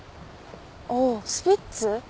おおスピッツ。